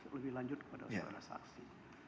lebih lanjut kepada saudara saksi